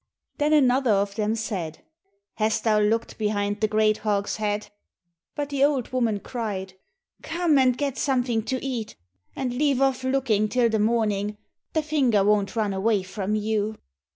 Then another of them said, "Hast thou looked behind the great hogshead?" But the old woman cried, "Come and get something to eat, and leave off looking till the morning, the finger won't run away from you."